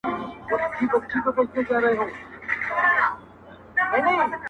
چي په تش ګومان مي خلک کړولي!!